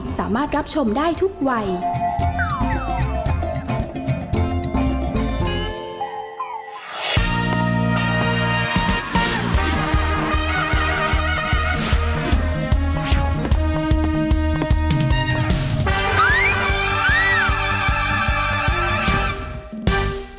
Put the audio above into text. แม่บ้านประจันบรรย์สวัสดีค่ะ